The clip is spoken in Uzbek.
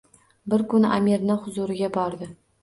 Bir kuni amirni huziriga bordi.